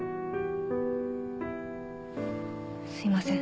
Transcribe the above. すいません。